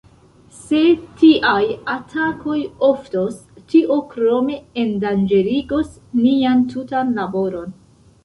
Se tiaj atakoj oftos, tio krome endanĝerigos nian tutan laboron.